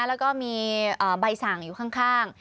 แล้วก็มีใบสั่งอยู่ข้าง